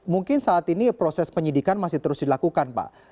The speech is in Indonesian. mungkin saat ini proses penyidikan masih terus dilakukan pak